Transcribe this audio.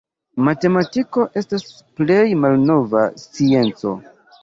Matematiko estas plej malnova scienco.